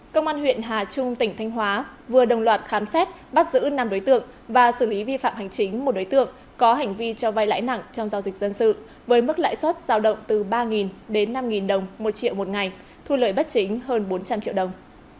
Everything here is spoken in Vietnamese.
công an huyện hà trung tỉnh thanh hóa vừa đồng loạt khám xét bắt giữ năm đối tượng và xử lý vi phạm hành chính một đối tượng có hành vi cho vai lãi nặng trong giao dịch dân sự với mức lãi suất giao động từ ba đến năm đồng một triệu một ngày thu lợi bất chính hơn bốn trăm linh triệu đồng